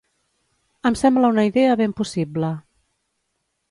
Em sembla una idea ben possible.